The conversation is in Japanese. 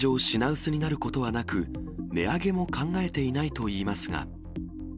品薄になることはなく、値上げも考えていないといいますが。